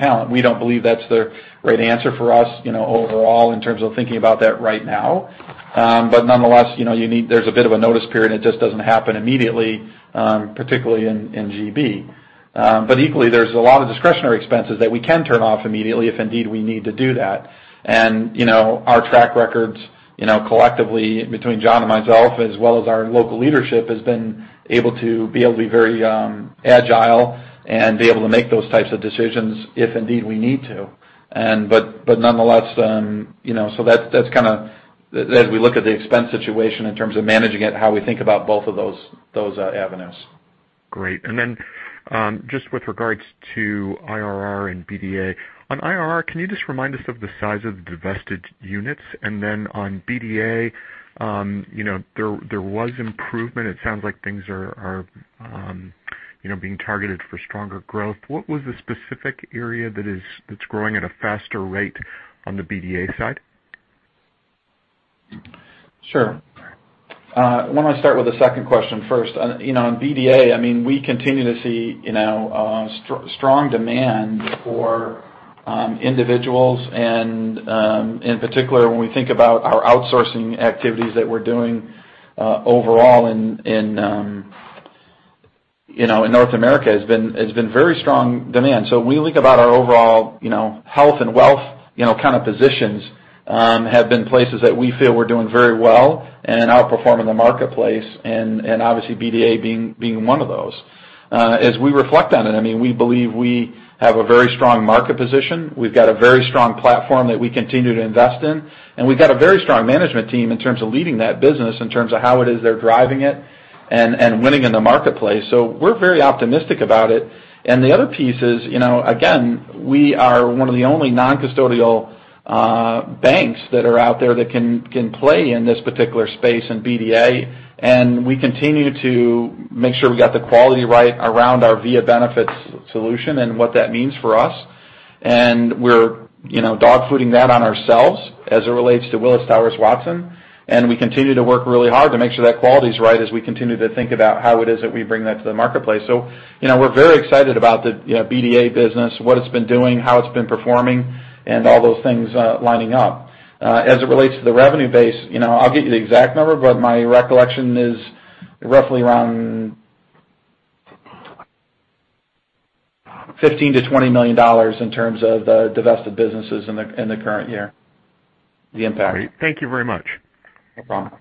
talent. We don't believe that's the right answer for us overall in terms of thinking about that right now. Nonetheless, there's a bit of a notice period. It just doesn't happen immediately, particularly in GB. Equally, there's a lot of discretionary expenses that we can turn off immediately if indeed we need to do that. Our track records, collectively between John and myself, as well as our local leadership, has been able to be very agile and be able to make those types of decisions if indeed we need to. Nonetheless, as we look at the expense situation in terms of managing it, how we think about both of those avenues. Great. Just with regards to IRR and BDA. On IRR, can you just remind us of the size of the divested units? On BDA, there was improvement. It sounds like things are being targeted for stronger growth. What was the specific area that's growing at a faster rate on the BDA side? Sure. Why don't I start with the second question first. On BDA, we continue to see strong demand for individuals and, in particular, when we think about our outsourcing activities that we're doing overall in North America, it's been very strong demand. When we think about our overall health and wealth kind of positions, have been places that we feel we're doing very well and outperforming the marketplace, obviously BDA being one of those. As we reflect on it, we believe we have a very strong market position. We've got a very strong platform that we continue to invest in, and we've got a very strong management team in terms of leading that business, in terms of how it is they're driving it and winning in the marketplace. We're very optimistic about it. The other piece is, again, we are one of the only non-custodial banks that are out there that can play in this particular space in BDA, we continue to make sure we got the quality right around our Via Benefits solution and what that means for us. We're dogfooding that on ourselves as it relates to Willis Towers Watson, we continue to work really hard to make sure that quality's right as we continue to think about how it is that we bring that to the marketplace. We're very excited about the BDA business, what it's been doing, how it's been performing, and all those things lining up. As it relates to the revenue base, I'll get you the exact number, but my recollection is roughly around $15 million-$20 million in terms of the divested businesses in the current year, the impact. Great. Thank you very much. No problem.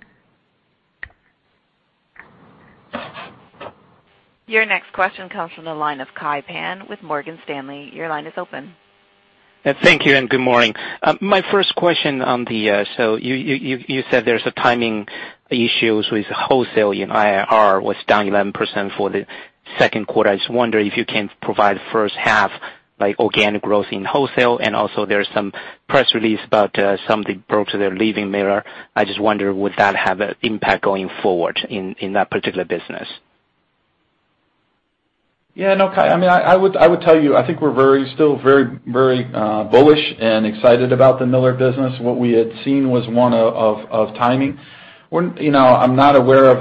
Your next question comes from the line of Kai Pan with Morgan Stanley. Your line is open. Thank you, and good morning. My first question. You said there's timing issues with wholesale, and IRR was down 11% for the second quarter. I just wonder if you can provide first half organic growth in wholesale, and also there's some press release about some of the brokers that are leaving Miller. I just wonder, would that have an impact going forward in that particular business? Yeah. No, Kai, I would tell you, I think we're still very bullish and excited about the Miller business. What we had seen was one of timing. John or I aren't aware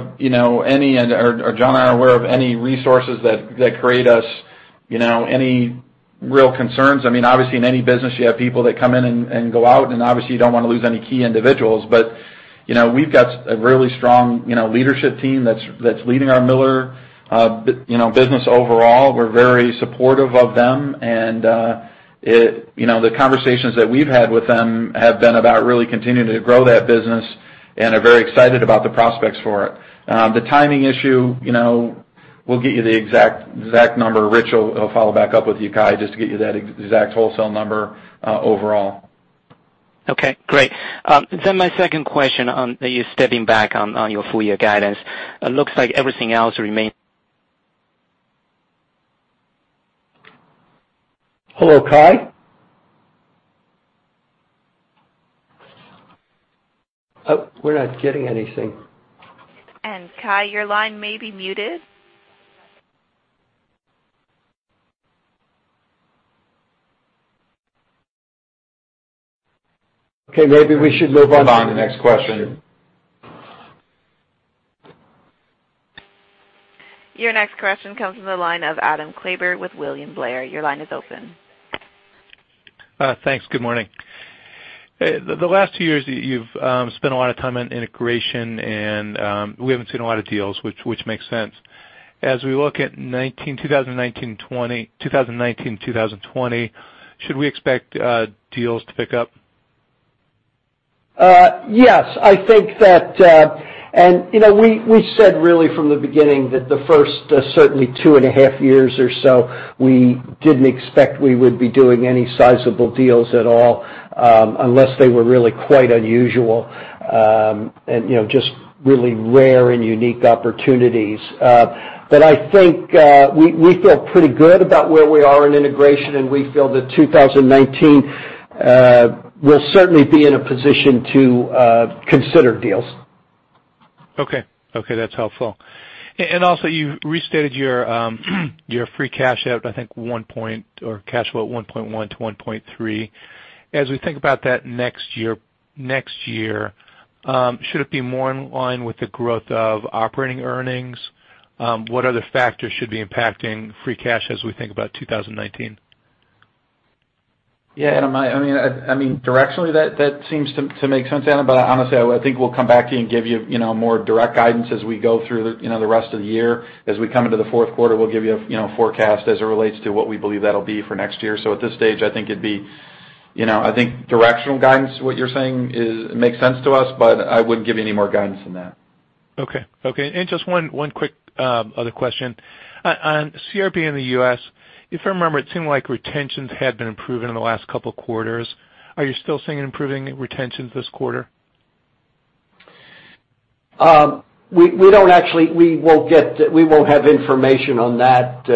of any resources that create us any real concerns. Obviously, in any business, you have people that come in and go out, and obviously you don't want to lose any key individuals. We've got a really strong leadership team that's leading our Miller business overall. We're very supportive of them, and the conversations that we've had with them have been about really continuing to grow that business, and are very excited about the prospects for it. The timing issue, we'll get you the exact number. Rich will follow back up with you, Kai, just to get you that exact wholesale number overall. Okay, great. My second question on you stepping back on your full year guidance. It looks like everything else Hello, Kai? Oh, we're not getting anything. Kai, your line may be muted. Okay, maybe we should move on to the next question. Your next question comes from the line of Adam Klauber with William Blair. Your line is open. Thanks. Good morning. The last two years, you've spent a lot of time on integration, and we haven't seen a lot of deals, which makes sense. As we look at 2019-2020, should we expect deals to pick up? Yes. We said really from the beginning that the first certainly two and a half years or so, we didn't expect we would be doing any sizable deals at all, unless they were really quite unusual, and just really rare and unique opportunities. I think we feel pretty good about where we are in integration, and we feel that 2019 will certainly be in a position to consider deals. Okay. That's helpful. Also, you restated your free cash out, I think, or cash flow at 1.1-1.3. As we think about that next year, should it be more in line with the growth of operating earnings? What other factors should be impacting free cash as we think about 2019? Yeah, Adam. Directionally, that seems to make sense, Adam Klauber, but honestly, I think we'll come back to you and give you more direct guidance as we go through the rest of the year. As we come into the fourth quarter, we'll give you a forecast as it relates to what we believe that'll be for next year. At this stage, I think directional guidance, what you're saying makes sense to us, but I wouldn't give you any more guidance than that. Okay. Just one quick other question. On CRB in the U.S., if I remember, it seemed like retentions had been improving in the last couple of quarters. Are you still seeing improving retentions this quarter? We won't have information on that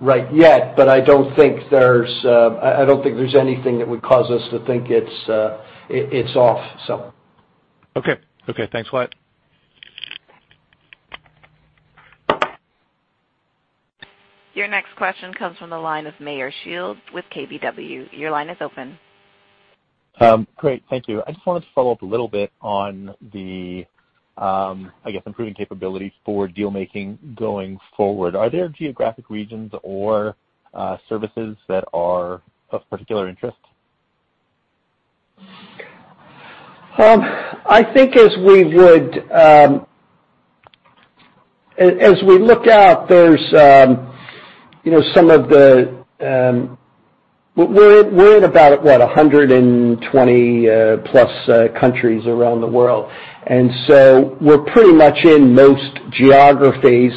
right yet, I don't think there's anything that would cause us to think it's off. Okay. Thanks a lot. Your next question comes from the line of Meyer Shields with KBW. Your line is open. Great. Thank you. I just wanted to follow up a little bit on the, I guess, improving capabilities for deal-making going forward. Are there geographic regions or services that are of particular interest? I think as we look out, we're in about, what? 120 plus countries around the world. We're pretty much in most geographies.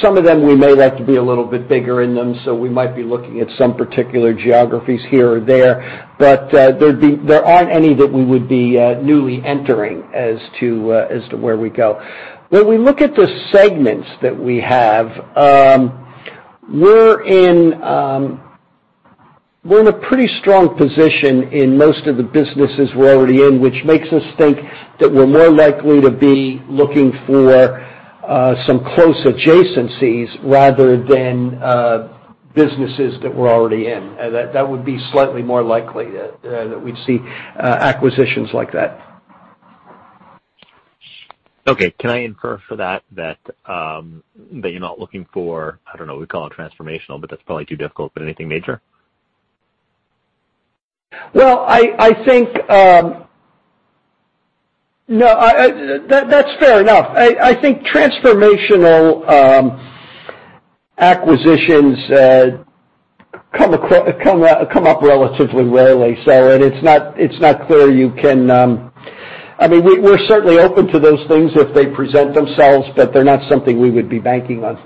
Some of them, we may like to be a little bit bigger in them, so we might be looking at some particular geographies here or there. There aren't any that we would be newly entering as to where we go. When we look at the segments that we have, we're in a pretty strong position in most of the businesses we're already in, which makes us think that we're more likely to be looking for some close adjacencies rather than businesses that we're already in. That would be slightly more likely that we'd see acquisitions like that. Okay. Can I infer for that you're not looking for, I don't know, we call it transformational, but that's probably too difficult, but anything major? That's fair enough. I think transformational acquisitions come up relatively rarely. We're certainly open to those things if they present themselves, but they're not something we would be banking on.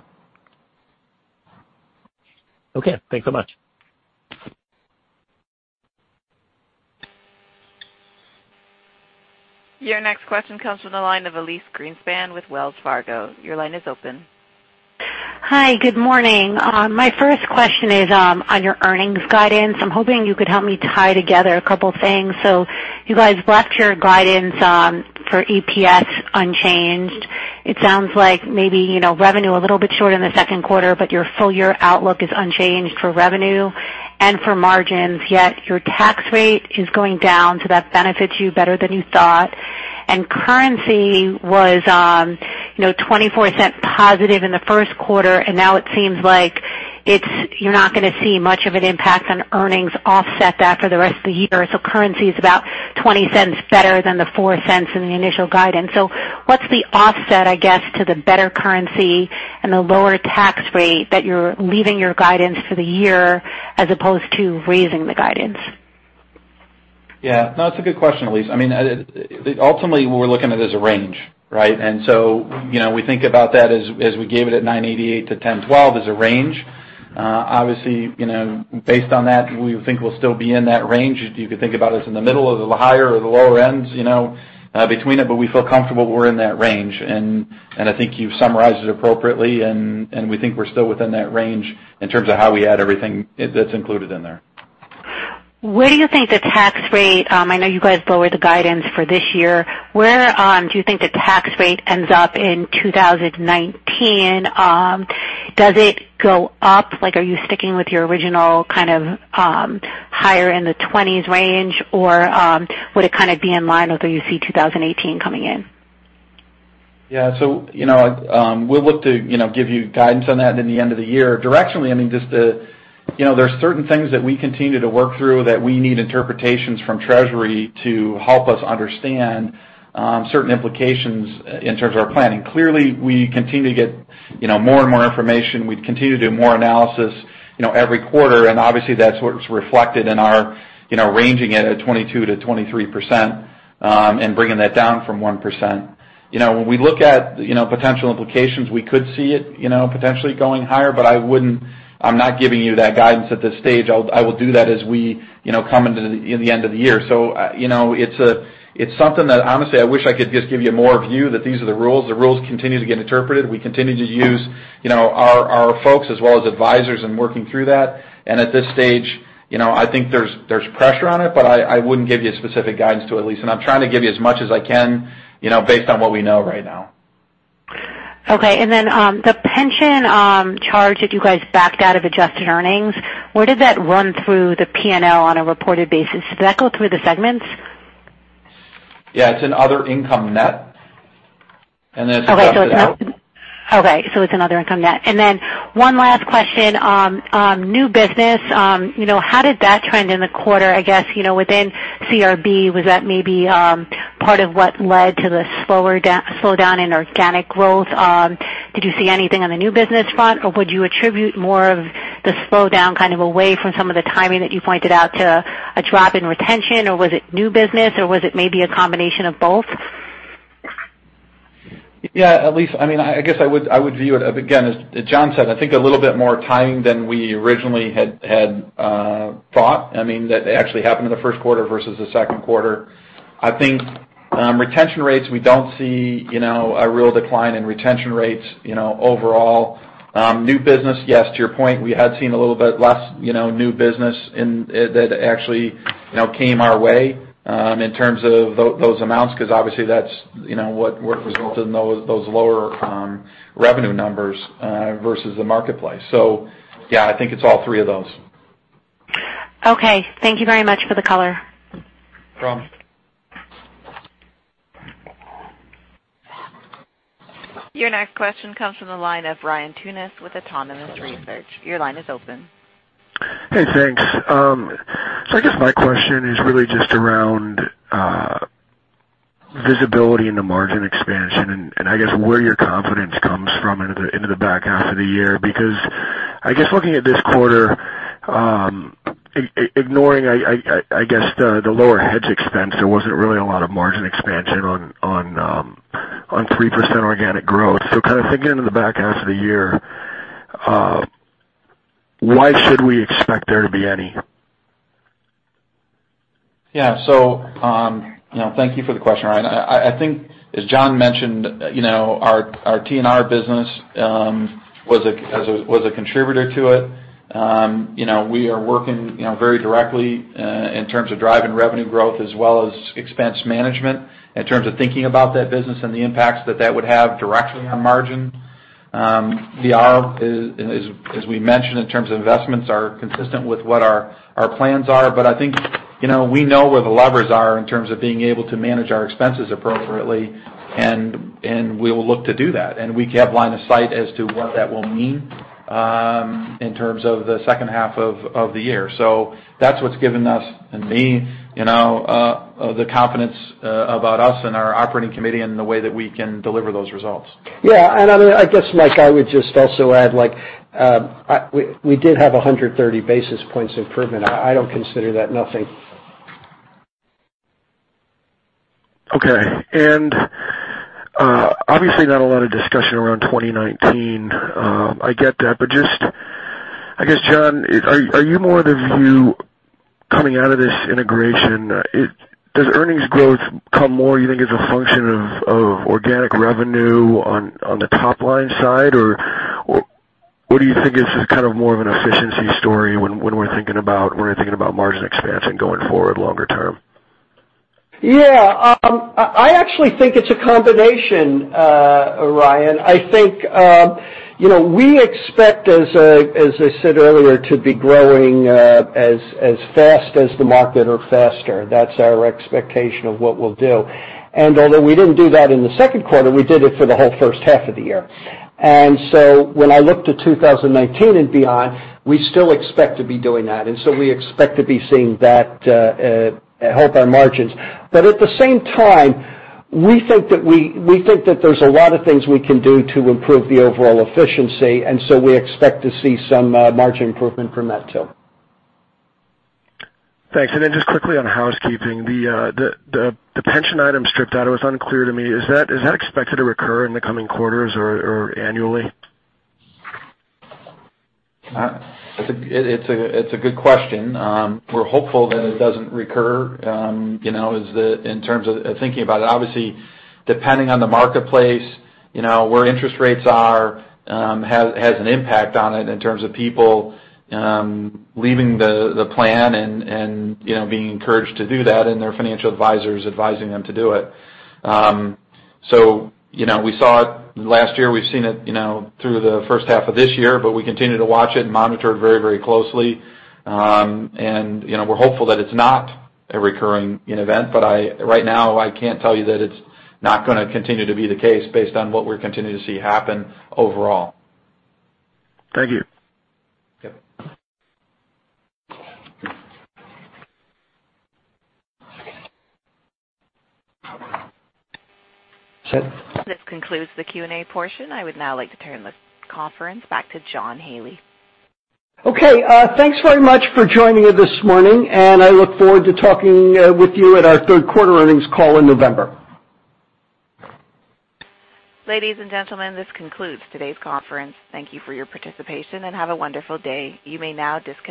Thanks so much. Your next question comes from the line of Elyse Greenspan with Wells Fargo. Your line is open. Hi, good morning. My first question is on your earnings guidance. I'm hoping you could help me tie together a couple things. You guys left your guidance for EPS unchanged. It sounds like maybe revenue a little bit short in the second quarter, but your full year outlook is unchanged for revenue and for margins, yet your tax rate is going down, so that benefits you better than you thought. Currency was 24% positive in the first quarter, and now it seems like you're not going to see much of an impact on earnings offset that for the rest of the year. Currency is about $0.20 better than the $0.04 in the initial guidance. What's the offset, I guess, to the better currency and the lower tax rate that you're leaving your guidance for the year as opposed to raising the guidance? No, it's a good question, Elyse. Ultimately, what we're looking at is a range, right? We think about that as we gave it at 988 to 1012 as a range. Obviously, based on that, we think we'll still be in that range. You could think about us in the middle of the higher or the lower ends between it, but we feel comfortable we're in that range. I think you've summarized it appropriately, and we think we're still within that range in terms of how we add everything that's included in there. Where do you think the tax rate, I know you guys lowered the guidance for this year. Where do you think the tax rate ends up in 2019? Does it go up? Are you sticking with your original kind of higher in the 20s range, or would it kind of be in line with what you see 2018 coming in? We'll look to give you guidance on that in the end of the year. Directionally, there are certain things that we continue to work through that we need interpretations from Treasury to help us understand certain implications in terms of our planning. Clearly, we continue to get more and more information. We continue to do more analysis every quarter, obviously that's what's reflected in our ranging it at 22%-23% and bringing that down from 1%. When we look at potential implications, we could see it potentially going higher, I'm not giving you that guidance at this stage. I will do that as we come into the end of the year. It's something that honestly, I wish I could just give you more view, that these are the rules. The rules continue to get interpreted. We continue to use our folks as well as advisors in working through that. At this stage, I think there's pressure on it, but I wouldn't give you specific guidance to it, Elyse, I'm trying to give you as much as I can based on what we know right now. Okay. The pension charge that you guys backed out of adjusted earnings, where did that run through the P&L on a reported basis? Did that go through the segments? Yeah, it's in other income net. Okay. It's in other income net. One last question. New business, how did that trend in the quarter, I guess, within CRB? Was that maybe part of what led to the slowdown in organic growth? Did you see anything on the new business front, or would you attribute more of the slowdown kind of away from some of the timing that you pointed out to a drop in retention, or was it new business, or was it maybe a combination of both? Yeah, Elyse, I guess I would view it, again, as John said, I think a little bit more timing than we originally had thought. That actually happened in the first quarter versus the second quarter. I think retention rates, we don't see a real decline in retention rates overall. New business, yes, to your point, we had seen a little bit less new business that actually came our way in terms of those amounts, because obviously that's what resulted in those lower revenue numbers versus the marketplace. Yeah, I think it's all three of those. Okay. Thank you very much for the color. No problem. Your next question comes from the line of Ryan Tunis with Autonomous Research. Your line is open. Hey, thanks. I guess my question is really just around visibility in the margin expansion and I guess where your confidence comes from into the back half of the year, because I guess looking at this quarter, ignoring, I guess, the lower hedge expense, there wasn't really a lot of margin expansion on 3% organic growth. Kind of thinking in the back half of the year, why should we expect there to be any? Thank you for the question, Ryan Tunis. I think as John Haley mentioned, our T&R business was a contributor to it. We are working very directly in terms of driving revenue growth as well as expense management in terms of thinking about that business and the impacts that that would have directly on margin. IRR, as we mentioned in terms of investments, are consistent with what our plans are. I think we know where the levers are in terms of being able to manage our expenses appropriately, and we will look to do that, and we have line of sight as to what that will mean In terms of the second half of the year. That's what's given us and me the confidence about us and our operating committee and the way that we can deliver those results. I guess, Mike Burwell, I would just also add, we did have 130 basis points improvement. I don't consider that nothing. Okay. Obviously, not a lot of discussion around 2019. I get that. Just, I guess, John Haley, are you more of the view coming out of this integration, does earnings growth come more, you think, as a function of organic revenue on the top-line side? Or do you think this is more of an efficiency story when we're thinking about margin expansion going forward longer term? I actually think it's a combination, Ryan Tunis. I think, we expect, as I said earlier, to be growing as fast as the market or faster. That's our expectation of what we'll do. Although we didn't do that in the second quarter, we did it for the whole first half of the year. When I look to 2019 and beyond, we still expect to be doing that. We expect to be seeing that help our margins. At the same time, we think that there's a lot of things we can do to improve the overall efficiency. We expect to see some margin improvement from that, too. Thanks. Just quickly on housekeeping, the pension item stripped out, it was unclear to me. Is that expected to recur in the coming quarters or annually? It's a good question. We're hopeful that it doesn't recur, in terms of thinking about it. Obviously, depending on the marketplace, where interest rates are, has an impact on it in terms of people leaving the plan and being encouraged to do that, and their financial advisors advising them to do it. We saw it last year. We've seen it through the first half of this year, but we continue to watch it and monitor it very closely. We're hopeful that it's not a recurring event. Right now, I can't tell you that it's not going to continue to be the case based on what we're continuing to see happen overall. Thank you. Yep. This concludes the Q&A portion. I would now like to turn this conference back to John Haley. Okay. Thanks very much for joining this morning. I look forward to talking with you at our third quarter earnings call in November. Ladies and gentlemen, this concludes today's conference. Thank you for your participation. Have a wonderful day. You may now disconnect.